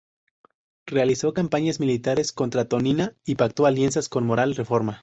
Realizó campañas militares contra Toniná y pactó alianzas con Moral-Reforma.